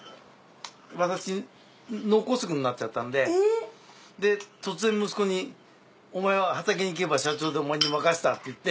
私脳梗塞になっちゃったので突然息子にお前は畑に行けば社長だお前に任せたって言って。